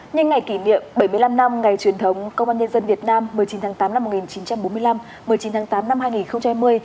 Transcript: nhân ngày kỷ niệm bảy mươi năm năm ngày truyền thống công an nhân dân việt nam một mươi chín tháng tám năm một nghìn chín trăm bốn mươi năm một mươi chín tháng tám năm hai nghìn hai mươi